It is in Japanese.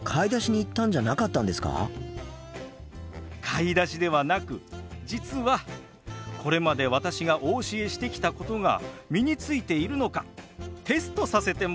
買い出しではなく実はこれまで私がお教えしてきたことが身についているのかテストさせてもらったんです。